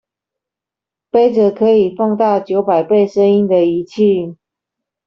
揹著可以放大九百倍聲音的儀器